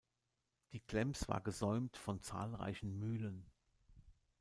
Die Glems war gesäumt von zahlreichen Mühlen.